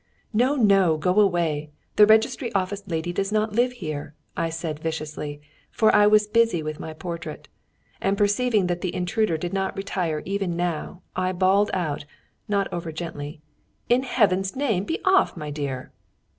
"No, no; go away! The registry office lady does not live here!" said I viciously, for I was busy with my portrait; and perceiving that the intruder did not retire even now, I bawled out, not over gently: "In Heaven's name, be off, my dear!"